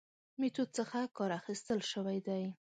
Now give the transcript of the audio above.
میتود څخه کار اخستل شوی دی.